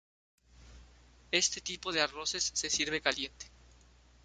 Este tipo de arroces se sirve caliente.